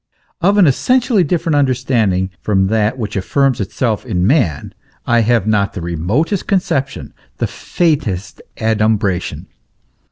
"* Of an essentially different understanding from that which affirms itself in man, I have not the remotest conception, the faintest adumbration.